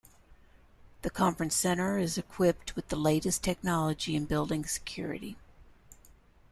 The Conference Centre is equipped with the latest technology in Building security.